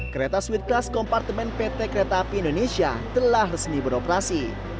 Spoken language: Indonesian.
kereta sweet kelas kompartemen pt kereta api indonesia telah resmi beroperasi